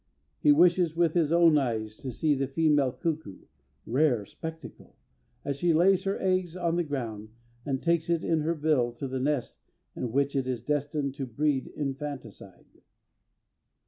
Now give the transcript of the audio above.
He wishes with his own eyes to see the female cuckoo rare spectacle! as she lays her egg on the ground and takes it in her bill to the nest in which it is destined to breed infanticide.